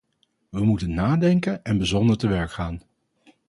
We moeten nadenken en bezonnen te werk gaan.